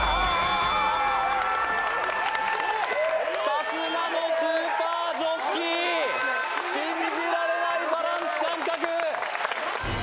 さすがのスーパージョッキー信じられないバランス感覚！